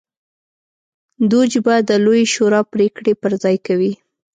دوج به د لویې شورا پرېکړې پر ځای کوي.